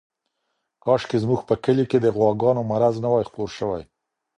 کاشکې زموږ په کلي کې د غواګانو مرض نه وای خپور شوی.